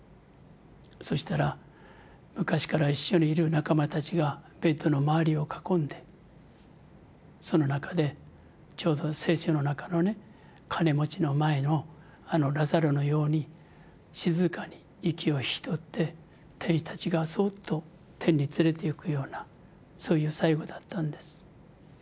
そしたら昔から一緒にいる仲間たちがベッドの周りを囲んでその中でちょうど聖書の中のね金持ちの前のあのラザロのように静かに息を引き取って天使たちがそっと天に連れていくようなそういう最期だったんです。